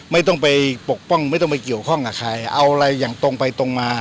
ไม่ต้องไปปกป้องไม่ต้องไปเกี่ยวข้องกับใครเอาอะไรอย่างตรงไปตรงมา